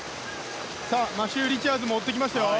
マシュー・リチャーズも追ってきましたよ。